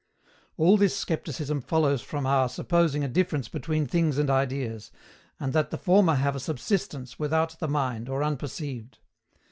All this scepticism follows from our supposing a difference between things and ideas, and that the former have a subsistence without the mind or unperceived.